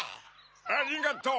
ありがとう！